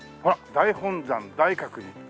「大本山大覚寺」。